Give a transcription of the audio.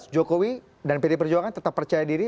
jokowi dan pd perjuangan tetap percaya diri